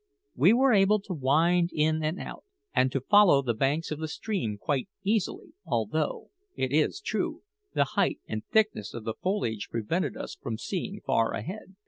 We were able to wind in and out, and to follow the banks of the stream quite easily, although, it is true, the height and thickness of the foliage prevented us from seeing far ahead.